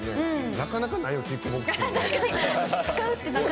なかなかないよキックボクシング。